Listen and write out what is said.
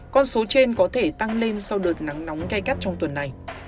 con số trên có thể tăng lên sau đợt nắng nóng gây cắt trong tuần này